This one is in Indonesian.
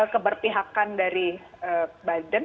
keberpihakan dari biden